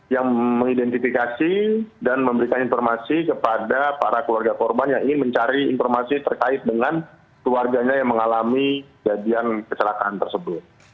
yang mengidentifikasi dan memberikan informasi kepada para keluarga korban yang ingin mencari informasi terkait dengan keluarganya yang mengalami gajian kecelakaan tersebut